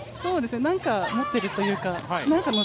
何かもってるというか、何かノ